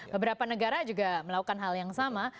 beberapa negara juga melakukan hal yang sama